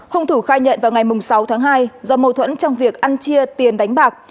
hùng thủ khai nhận vào ngày sáu tháng hai do mâu thuẫn trong việc ăn chia tiền đánh bạc